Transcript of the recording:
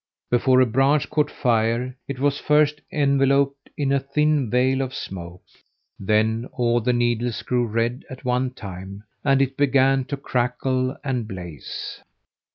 Before a branch caught fire it was first enveloped in a thin veil of smoke, then all the needles grew red at one time, and it began to crackle and blaze.